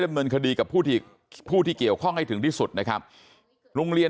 ดำเนินคดีกับผู้ที่ผู้ที่เกี่ยวข้องให้ถึงที่สุดนะครับโรงเรียน